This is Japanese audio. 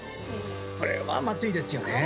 これはまずいですよね。